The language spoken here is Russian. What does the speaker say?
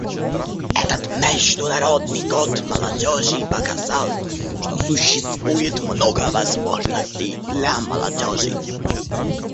Этот Международный год молодежи показал, что существует много возможностей для молодежи.